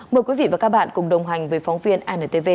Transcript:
mời quý vị và các bạn cùng đồng hành với phóng viên antv